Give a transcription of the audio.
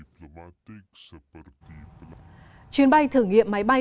thủ tướng kishida đã đánh giá cao vai trò của malaysia trong việc định hình asean ngày nay